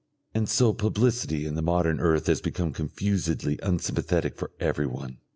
And so publicity in the modern earth has become confusedly unsympathetic for everyone.